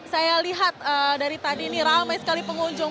saya lihat dari tadi ini ramai sekali pengunjung